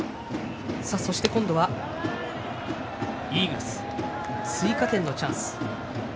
今度はイーグルス追加点のチャンス。